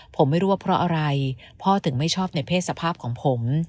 ผมไม่รู้ว่าเพราะอะไรพ่อถึงไม่ชอบในเพศสภาพของผม